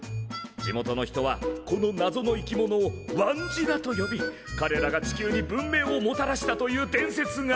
地元の人はこのなぞの生き物をワンジナと呼びかれらが地球に文明をもたらしたという伝説がある。